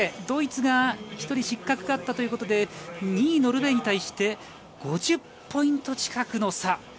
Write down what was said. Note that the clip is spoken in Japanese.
ドイツが１人失格があったということで２位、ノルウェーに対して５０ポイント近くの差。